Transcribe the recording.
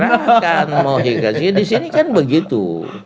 silahkan mau dikasih disini kan begitu